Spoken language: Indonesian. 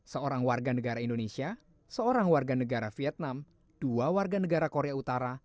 seorang warga negara indonesia seorang warga negara vietnam dua warga negara korea utara